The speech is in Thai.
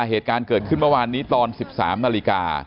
เหตุการณ์เกิดขึ้นเมื่อวานนี้ตอน๑๓นาฬิกา